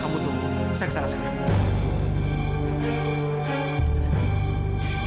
kamu tunggu saya kesana sekarang